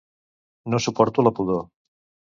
No suporto la pudor